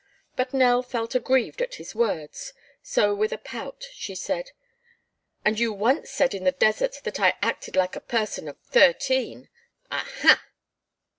But Nell felt aggrieved at his words; so with a pout she said: "And you once said in the desert that I acted like a person of thirteen. Aha!"